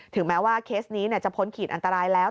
แม้ว่าเคสนี้จะพ้นขีดอันตรายแล้ว